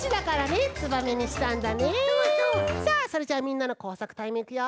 さあそれじゃあみんなのこうさくタイムいくよ。